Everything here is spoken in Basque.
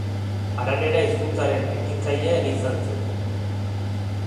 Aranera hizkuntzaren ekintzailea ere izan zen.